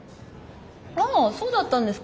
ああそうだったんですか！